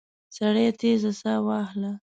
سړي تېزه ساه وهله.